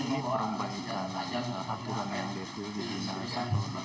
ini orang baik jangan saja mengatakan yang detail di mokau